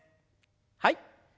はい。